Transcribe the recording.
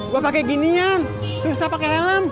gue pake ginian susah pake helm